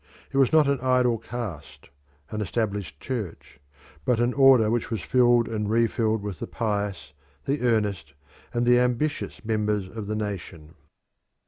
It was not an idle caste an established Church but an order which was filled and refilled with the pious, the earnest, and the ambitious members of the nation.